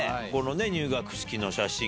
入学式の写真。